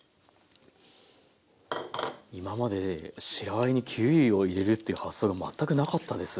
今まで白あえにキウイを入れるっていう発想が全くなかったです。